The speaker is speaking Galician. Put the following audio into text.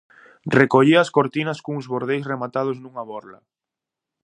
Recollía as cortinas cuns cordeis rematados nunha borla.